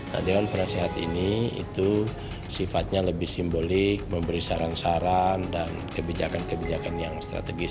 nah dewan penasehat ini itu sifatnya lebih simbolik memberi saran saran dan kebijakan kebijakan yang strategis